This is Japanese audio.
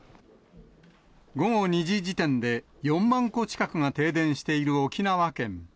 午後２時時点で、４万戸近くが停電している沖縄県。